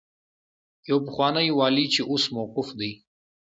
يو پخوانی والي چې اوس موقوف دی.